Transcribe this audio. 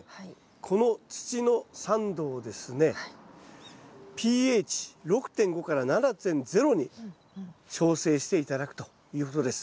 この土の酸度をですねｐＨ６．５から７．０に調整して頂くということです。